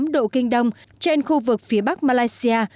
một trăm linh hai tám độ kinh đông trên khu vực phía bắc malaysia